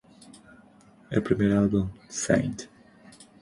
El primer álbum, "St.